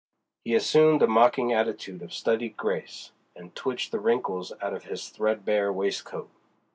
He assumed a mocking attitude of studied grace, and twitched the wrinkles out of his threadbare waistcoat.